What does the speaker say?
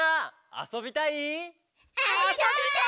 「あそびたい！」